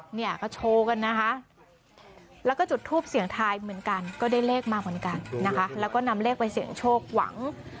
เนี่ยก็โชว์กันนะคะแล้วก็จุดทูปเสียงทายเหมือนกันก็ได้เลขมาเหมือนกันนะคะแล้วก็นำเลขไปเสี่ยงโชคหวัง